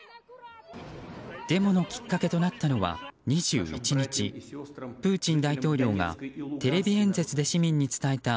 デモのきっかけになったのは２１日プーチン大統領がテレビ演説で市民に伝えた